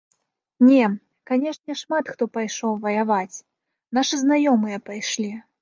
Не, канешне, шмат хто пайшоў ваяваць, нашы знаёмыя пайшлі.